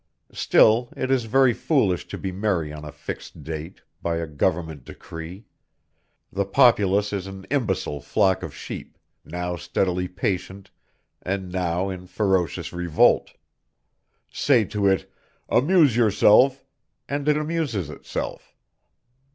Still it is very foolish to be merry on a fixed date, by a Government decree. The populace is an imbecile flock of sheep, now steadily patient, and now in ferocious revolt. Say to it: "Amuse yourself," and it amuses itself.